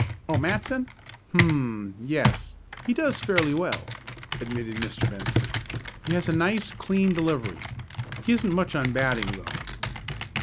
"Oh, Matson. Hum, yes. He does fairly well," admitted Mr. Benson. "He has a nice, clean delivery. He isn't much on batting, though."